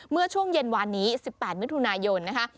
เมื่อช่วงเย็นวานนี้๑๘มิถุนายนนะคะ